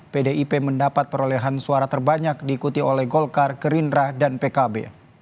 pdip mendapat perolehan suara terbanyak diikuti oleh golkar gerindra dan pkb